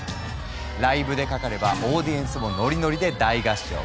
ライブでかかればオーディエンスもノリノリで大合唱！